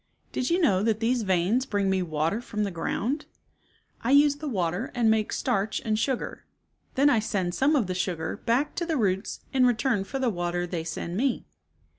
"Did you know that these veins bring me water from the ground ? I use the water and make starch and sugar. Then I send some of the sugar back to the roots in return for the water they send me.